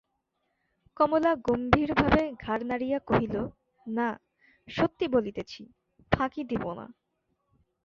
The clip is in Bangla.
কমলা গম্ভীরভাবে ঘাড় নাড়িয়া কহিল, না, সত্যি বলিতেছি, ফাঁকি দিব না।